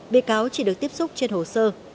bị cáo chỉ được tiếp xúc trên hồ sơ